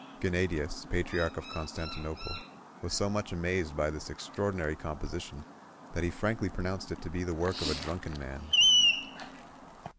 Gennadius, patriarch of Constantinople, was so much amazed by this extraordinary composition, that he frankly pronounced it to be the work of a drunken man."